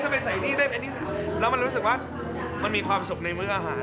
ทำไมใส่ตรงนี้เรามันรู้สึกว่ามันมีความสุขในมืออาหาร